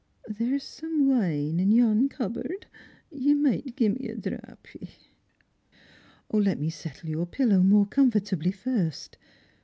There's some wine in yon cupboard ; you might gie me a drappie." " Let me settle your pillow more comfortably first."